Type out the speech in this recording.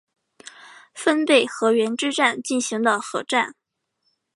分倍河原之战进行的合战。